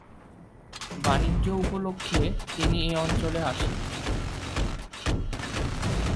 বাণিজ্য উপলক্ষে তিনি এ অঞ্চলে আসেন।